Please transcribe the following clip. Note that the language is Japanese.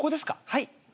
はい。